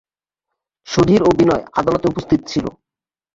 সুধীর ও বিনয় আদালতে উপস্থিত ছিল।